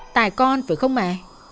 tại con phải không mẹ